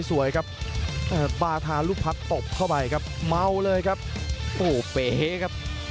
สวยครับอ่าบาทารุพัดตบเข้าไปครับเม้าเลยครับโอ้เป๋ครับ